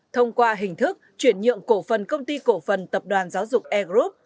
thông qua hình thức chuyển nhượng cổ phần công ty cổ phần tập đoàn giáo dục e group